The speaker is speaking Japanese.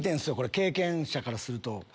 経験者からすると。